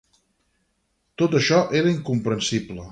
Tot això era incomprensible.